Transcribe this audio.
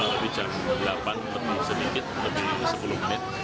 lebih jauh delapan lebih sedikit lebih sepuluh menit